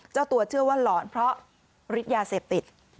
เจ้าตัวเชื่อว่าหลอนเพราะฤทธิ์ยาเสพติด